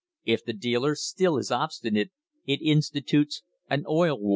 If the dealer still is obstinate, it institutes an "Oil War."